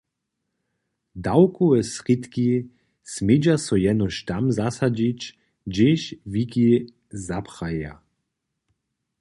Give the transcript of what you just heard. Dawkowe srědki smědźa so jenož tam zasadźić, hdźež wiki zapraja.